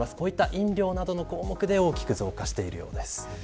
飲料などで大きく増加しているようです。